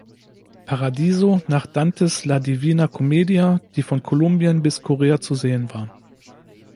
Paradiso nach Dantes La Divina Commedia, die von Kolumbien bis Korea zu sehen war.